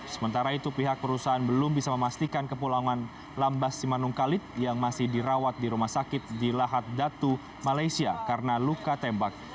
sementara itu pihak perusahaan belum bisa memastikan kepulangan lambas simanung kalit yang masih dirawat di rumah sakit di lahat datu malaysia karena luka tembak